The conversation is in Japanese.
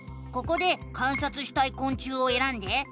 ここで観察したいこん虫をえらんで。